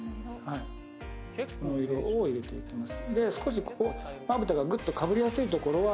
これを入れていきます。